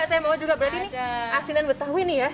saya mau juga berarti ini asinan betawi nih ya